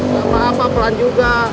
gak apa apa pelan juga